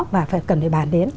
và cần phải bàn đến